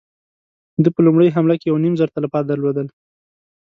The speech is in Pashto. ده په لومړۍ حمله کې يو نيم زر تلفات درلودل.